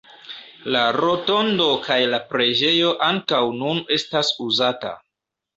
La rotondo kaj la preĝejo ankaŭ nun estas uzata.